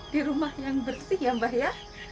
di rumah yang bersih ya mbak ya